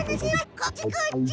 こっちこっち！